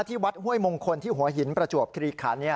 ที่วัดห้วยมงคลที่หัวหินประจวบคลีกค่ะ